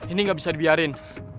ini gak bisa dibiarin